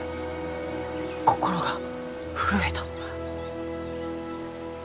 心が震えた。